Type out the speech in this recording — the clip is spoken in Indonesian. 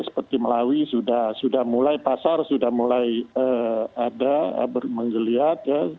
seperti melawi pasar sudah mulai ada berjeliat